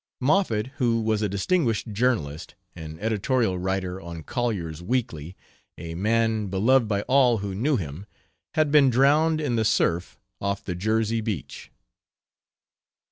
Moffett, who was a distinguished journalist an editorial writer on Collier's Weekly, a man beloved by all who knew him had been drowned in the surf off the Jersey beach.